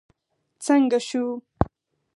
څنګه شو.